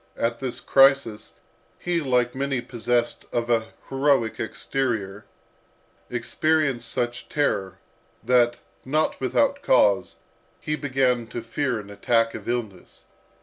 at this crisis, he, like many possessed of an heroic exterior, experienced such terror, that, not without cause, he began to fear an attack of illness.